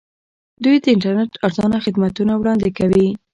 دوی د انټرنیټ ارزانه خدمتونه وړاندې کوي.